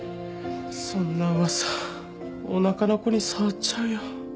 そんな噂おなかの子に障っちゃうよ。